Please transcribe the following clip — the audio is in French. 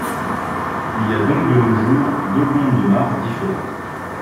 Il y a donc de nos jours deux comtes de Mar différents.